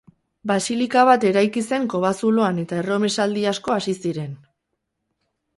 Basilika bat eraiki zen kobazuloan eta erromesaldi asko hasi ziren.